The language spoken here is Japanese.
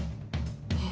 えっ。